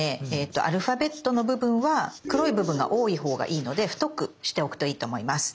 アルファベットの部分は黒い部分が多いほうがいいので太くしておくといいと思います。